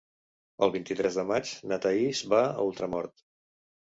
El vint-i-tres de maig na Thaís va a Ultramort.